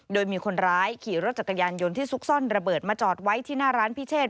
โดยมีคนร้ายขี่รถจักรยานยนต์ที่ซุกซ่อนระเบิดมาจอดไว้ที่หน้าร้านพิเชษ